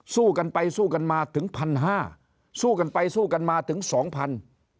สู้กันไปสู้กันมาถึงพันห้าสู้กันไปสู้กันมาถึงสองพัน